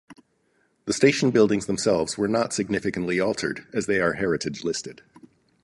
The station buildings themselves were not significantly altered as they are heritage listed.